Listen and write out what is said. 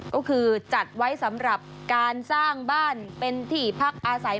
ก็คือจัดไว้สำหรับการสร้างบ้านเป็นที่พักอาศัย